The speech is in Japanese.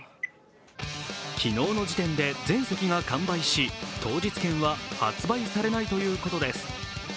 昨日の時点で全席が完売し、当日券は発売されないということです。